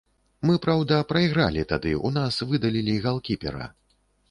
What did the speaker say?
Мы, праўда, прайгралі тады, у нас выдалілі галкіпера.